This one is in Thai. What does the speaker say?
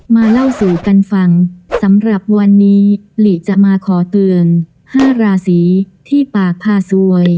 มาเล่าสู่กันฟังสำหรับวันนี้หลีจะมาขอเตือน๕ราศีที่ปากพาสวย